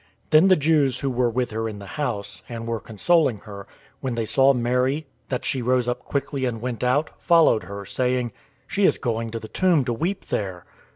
011:031 Then the Jews who were with her in the house, and were consoling her, when they saw Mary, that she rose up quickly and went out, followed her, saying, "She is going to the tomb to weep there."